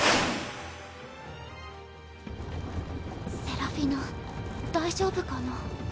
セラフィナ大丈夫かな？